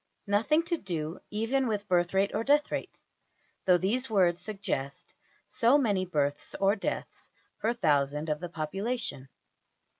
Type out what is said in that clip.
Nothing to do even with birth rate or death rate, though these words suggest so many births or deaths per thousand of the population.